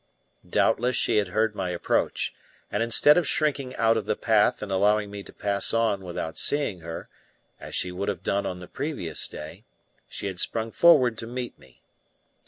Doubtless she had heard my approach, and instead of shrinking out of the path and allowing me to pass on without seeing her, as she would have done on the previous day, she had sprung forward to meet me.